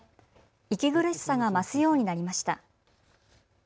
息苦しさが増すようになりました。